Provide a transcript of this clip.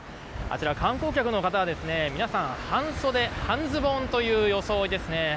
観光客の方は皆さん、半袖半ズボンという装いですね。